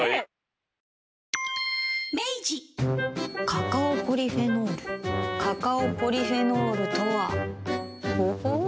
カカオポリフェノールカカオポリフェノールとはほほう。